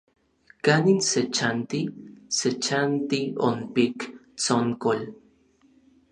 ¿Kanin se chanti? Se chanti onpik Tsonkol.